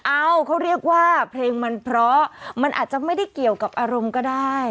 เอ้าเขาเรียกว่าเพลงมันเพราะมันอาจจะไม่ได้เกี่ยวกับอารมณ์ก็ได้